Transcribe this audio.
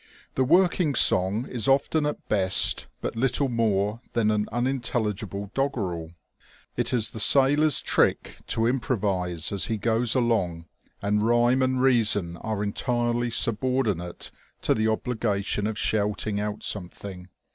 The working song is often at best but little more than unintelligible doggerel. It is the sailor's trick to improvise as he goes along, and rhyme and reason are entirely subordi nate to the obligation of shouting out something.